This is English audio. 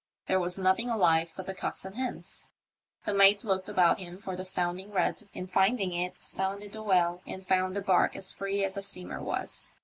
There was nothing alive but the cocks and hens. The mate looked about him for the sounding rod, and finding it, sounded the well, and found the barque as free as the steamer was.